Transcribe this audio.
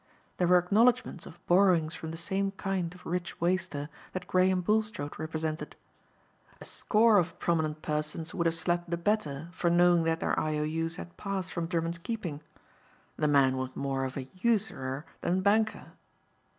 There were acknowledgments of borrowings from the same kind of rich waster that Graham Bulstrode represented. A score of prominent persons would have slept the better for knowing that their I. O. U.'s had passed from Drummond's keeping. The man was more of a usurer than banker.